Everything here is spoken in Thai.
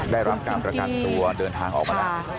ได้รับการประกันตัวเดินทางออกมาแล้ว